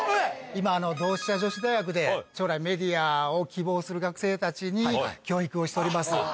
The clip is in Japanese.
今同志社女子大学で将来メディアを希望する学生たちに教育をしております。